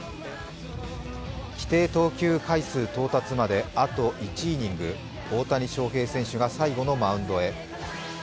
規定投球回到達まであと１イニング大谷翔平選手が最後のマウンドへ。